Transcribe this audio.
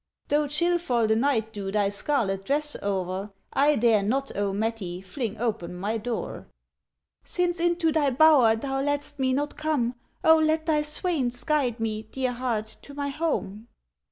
ŌĆØ ŌĆ£Though chill fall the night dew thy scarlet dress oŌĆÖer, I dare not, O Mettie, fling open my door. ŌĆØ ŌĆ£Since into thy bower thou lettŌĆÖst me not come, O let thy swains guide me, dear heart, to my home.